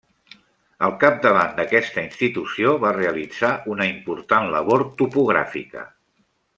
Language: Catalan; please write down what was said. Al capdavant d'aquesta institució va realitzar una important labor topogràfica.